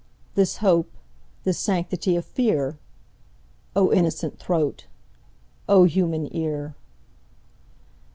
This hope, this sanctity of fear?O innocent throat! O human ear!